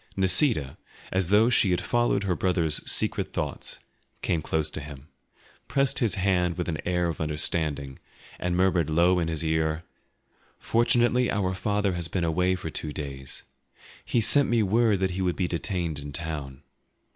Nisida, as though she had followed her brother's secret thoughts, came close to him, pressed his hand with an air of understanding, and murmured low in his ear, "Fortunately our father has been away for two days; he sent me word that he would be detained in town.